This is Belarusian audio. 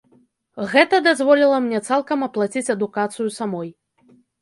Гэта дазволіла мне цалкам аплаціць адукацыю самой.